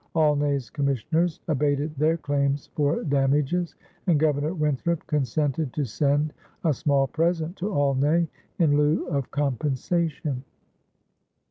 Aulnay's commissioners abated their claims for damages, and Governor Winthrop consented to send "a small present" to Aulnay in lieu of compensation.